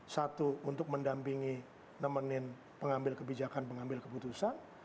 satu untuk mendampingi nemenin pengambil kebijakan pengambil keputusan